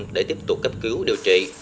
để tiếp tục cấp cứu điều trị